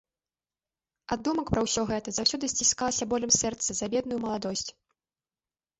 Ад думак пра ўсё гэта заўсёды сціскалася болем сэрца за бедную маладосць.